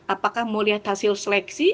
apakah mau lihat hasil seleksi